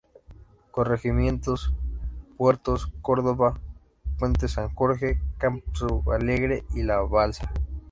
Corregimientos: Puerto Córdoba, Puente San Jorge, Campo Alegre y La Balsa.